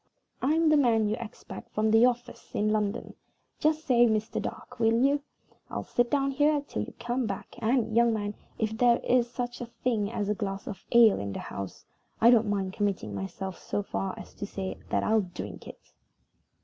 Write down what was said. "I'm the man you expect from the office in London. Just say Mr. Dark, will you? I'll sit down here till you come back; and, young man, if there is such a thing as a glass of ale in the house, I don't mind committing myself so far as to say that I'll drink it."